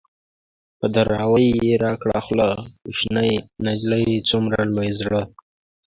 په دراوۍ يې راکړه خوله - کوشنی نجلۍ څومره لوی زړه